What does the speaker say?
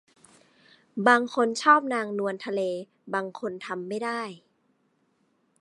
บางคนชอบนางนวลทะเลบางคนทำไม่ได้